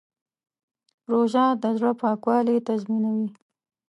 روژه د زړه پاکوالی تضمینوي.